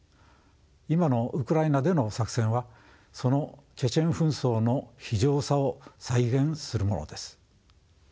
今のウクライナでの作戦はそのチェチェン紛争の非情さを再現するものです。